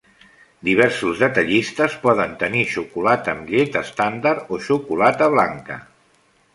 Diversos detallistes poden tenir xocolata amb llet estàndard o xocolata blanca.